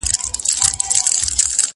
زه به سبزېجات وچولي وي!!